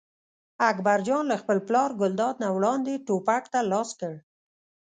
اکبر جان له خپل پلار ګلداد نه وړاندې ټوپک ته لاس کړ.